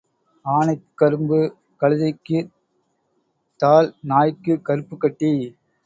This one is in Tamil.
ஆனைக்குக் கரும்பு கழுதைக்குத் தாள் நாய்க்குக் கருப்புக் கட்டி.